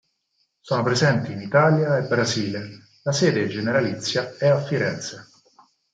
Sono presenti in Italia e Brasile: la sede generalizia è a Firenze.